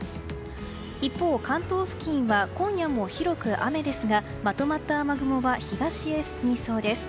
一方、関東付近は今夜も広く雨ですがまとまった雨雲は東へ進みそうです。